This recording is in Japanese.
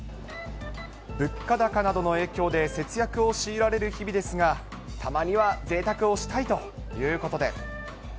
物価高などの影響で、節約を強いられる日々ですが、たまにはぜいたくをしたいということで。